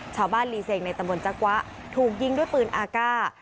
ชาวบ้านลีเซงในตะเมินจักวะถูกยิงด้วยปืนอากาศ